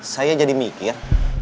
saya jadi mikir